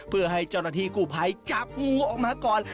เพื่อให้เจ้าหน้าที่กู้ภัยจับงูออกมาก่อน